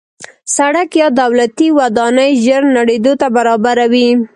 سړک یا دولتي ودانۍ ژر نړېدو ته برابره وي.